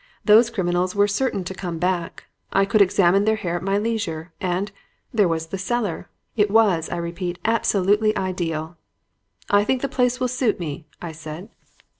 Those criminals were certain to come back. I could examine their hair at my leisure; and there was the cellar. It was, I repeat, absolutely ideal. "'I think the place will suit me,' I said.